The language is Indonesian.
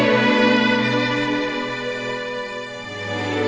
kata si dedek ayana